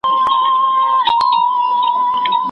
تاسي باید په خپلو لوبو کې مینه خپره کړئ.